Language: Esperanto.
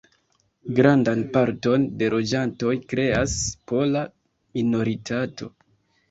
Grandan parton de loĝantoj kreas pola minoritato.